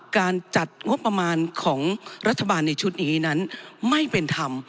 การจัดงบประมาณของรัฐบาลในชุดนี้นั้นไม่เป็นธรรม